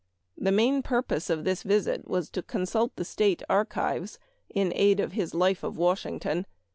The main purpose of this visit was to consult the State archives in 1 aid of his " Life of Washington."